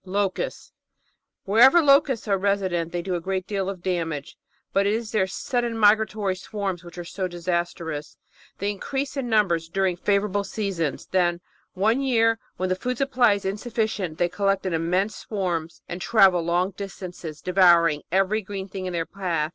Locusts Wherever locusts are resident they do a great deal of damage, but it is their sudden migratory swarms which are so disastrous. They increase in numbers during favourable seasons ; then, one year, when the food supply is insufficient, they collect in immense swarms and travel long distances, devouring every green thing in their path.